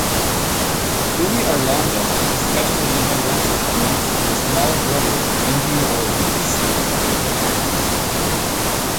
Louis Arlanda was especially influential amongst the small growers of Indian origins.